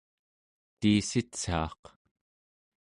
tiissitsaaq